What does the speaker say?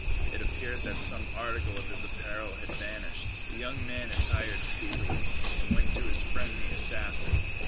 It appeared that some article of his apparel had vanished. The young man attired speedily, and went to his friend the assassin.